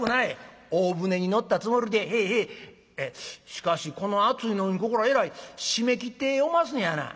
しかしこの暑いのにここらえらい閉めきっておますんやな」。